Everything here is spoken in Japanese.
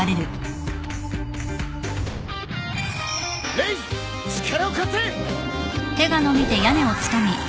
レイス力を貸せ！